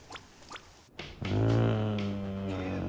うん。